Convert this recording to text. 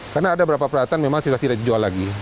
karena ada beberapa peralatan memang sudah tidak dijual lagi